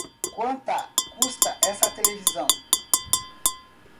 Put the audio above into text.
Quanta custa essa televisão?